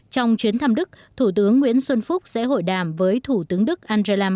trong chuyến thăm đức thủ tướng nguyễn xuân phúc sẽ hội đàm với thủ tướng đức angela